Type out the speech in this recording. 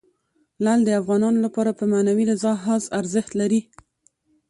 لعل د افغانانو لپاره په معنوي لحاظ ارزښت لري.